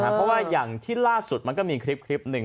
เพราะว่าอย่างที่ล่าสุดมันก็มีคลิปหนึ่ง